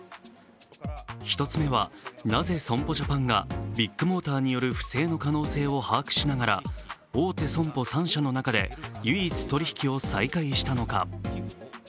１つ目は、なぜ、損保ジャパンがビッグモーターによる不正の可能性を把握しながら大手損保３社の中で唯一取り引きを再開したのか。